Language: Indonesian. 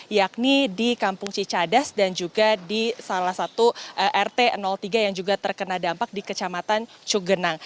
yakni di kampung cicadas dan juga di salah satu rt tiga yang juga terkena dampak di kecamatan cugenang